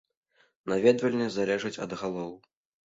Наведвальнасць залежыць ад галоў.